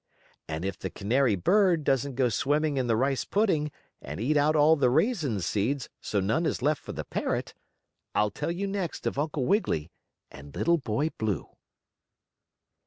And if the canary bird doesn't go swimming in the rice pudding, and eat out all the raisin seeds, so none is left for the parrot, I'll tell you next of Uncle Wiggily and Little Boy Blue.